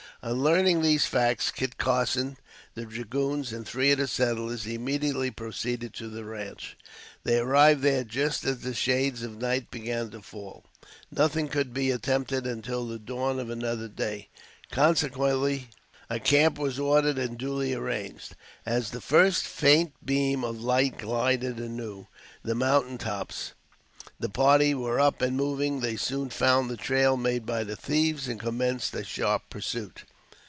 On learning these facts, Kit Carson, the dragoons and three of the settlers, immediately proceeded to the ranche. They arrived there just as the shades of night began to fall. Nothing could be attempted until the dawn of another day, consequently, a camp was ordered and duly arranged. As the first faint beam of light gilded anew the mountain tops, the party were up and moving. They soon found the trail made by the thieves and commenced a sharp pursuit.